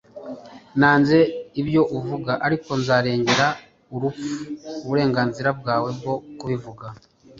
Nanze ibyo uvuga ariko nzarengera urupfu uburenganzira bwawe bwo kubivuga